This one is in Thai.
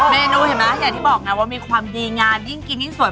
เมนูเห็นไหมอย่างที่บอกไงว่ามีความดีงามยิ่งกินยิ่งสด